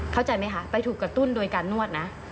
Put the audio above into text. เข้าใจไหมคะไปถูกกระตุ้นโดยการนวดนะ